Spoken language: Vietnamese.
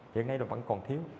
hiện nay nó vẫn còn thiếu